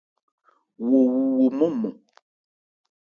Wo wu wo nmɔ́n-nmɔn.